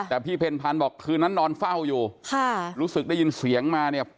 แต่พี่เพ็ญพันธ์บอกคืนนั้นนอนเฝ้าอยู่ค่ะรู้สึกได้ยินเสียงมาเนี่ย